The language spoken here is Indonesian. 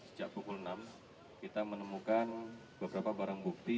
sejak pukul enam kita menemukan beberapa barang bukti